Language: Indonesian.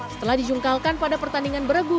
setelah dijungkalkan pada pertandingan beregu